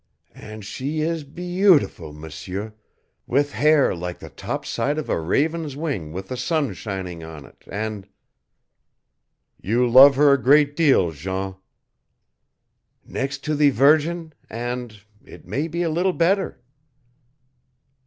And she is be e e utiful, M'seur, with hair like the top side of a raven's wing with the sun shining on it, and " "You love her a great deal, Jean." "Next to the Virgin and it may be a little better."